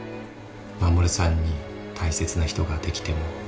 衛さんに大切な人ができても。